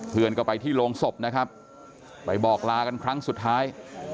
เพื่อนก็ไปที่โรงศพนะครับไปบอกลากันครั้งสุดท้าย